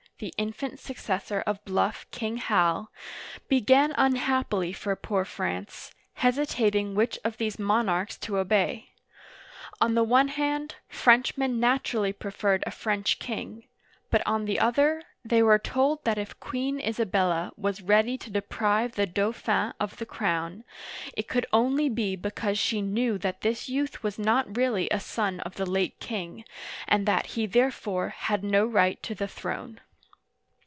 (the infant successor of bluff " King Hal") began unhappily for poor France, hesitating which of these monarchs to obey. On the one hand, Frenchmen naturally preferred a French king; but, on the other, they were told that if Queen Isabella was ready to deprive the Dauphin of the crown, it could only be because she knew that this youth was not really a son of the late king, and that he therefore had no right to the throne.